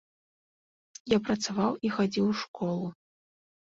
Я працаваў і хадзіў у школу.